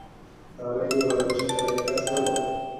তাহলে কি ঘরে বসে সেলাই এর কাজ করব?